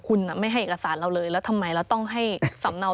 คุณไม่ให้เอกสารเราเลยแล้วทำไมเราต้องให้สำเนา